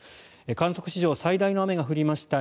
観測史上最大の雨が降りました